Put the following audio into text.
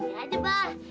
nah gini aja bah